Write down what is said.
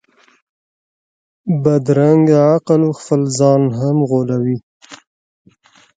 بدرنګه عقل خپل ځان هم غولوي